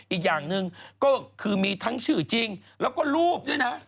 อีกอย่างหนึ่งก็คือมีทั้งชื่อจริงแล้วก็รูปด้วยนะ